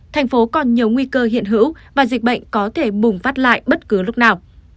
thành phố còn nhiều nguy cơ hiện hữu và dịch bệnh có thể bùng phát lại bất cứ lúc nào